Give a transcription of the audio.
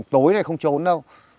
tối này không trốn đâu